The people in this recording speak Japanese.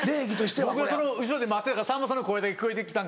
僕はその後ろで待ってたからさんまさんの声が聞こえて来た。